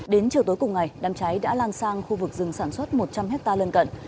đến chiều tối cùng ngày đám cháy đã lan sang khu vực rừng sản xuất một trăm linh hectare lân cận